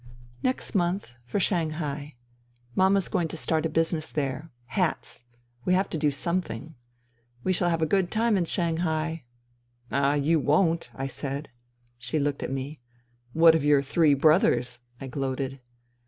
" Next month ... for Shanghai. Mama is going to start a business there. Hats. We have to do something, ... We shall have a good time in Shanghai." " Ah, you won't I " I said. She looked at me. " What of your ' three brothers '?" I gloated.